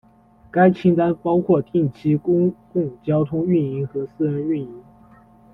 该清单包括定期公共交通运营和私人运营。